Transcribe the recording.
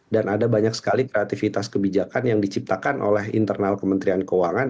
dan ada banyak sekali kreativitas kebijakan yang diciptakan oleh internal kementerian keuangan